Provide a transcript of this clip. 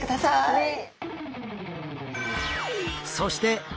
はい。